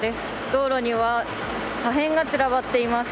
道路には破片が散らばっています。